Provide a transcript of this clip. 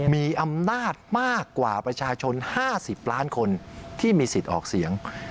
มีอำนาจมากกว่าประชาชน๕๐ล้านคนที่มีสิทธิ์ออกเสียง